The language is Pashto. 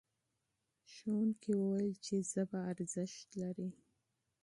ښوونکي وویل چې ژبه ارزښت لري.